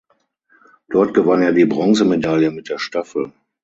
Dort gewann er die Bronzemedaille mit der Staffel.